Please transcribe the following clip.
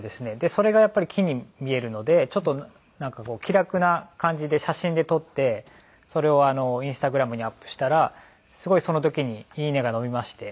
それがやっぱり木に見えるのでちょっとなんかこう気楽な感じで写真で撮ってそれをＩｎｓｔａｇｒａｍにアップしたらすごいその時に「いいね！」が伸びまして。